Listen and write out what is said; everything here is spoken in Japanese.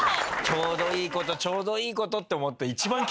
ちょうどいい事ちょうどいい事って思って。